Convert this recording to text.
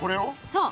そう。